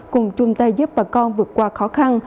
cùng chung tay giúp bà con vượt qua khó khăn